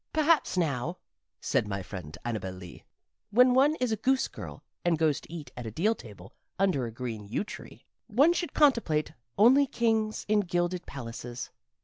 "Perhaps, now," said my friend Annabel Lee, "when one is a goose girl and goes to eat at a deal table under a green yew tree, one should contemplate only kings in gilded palaces.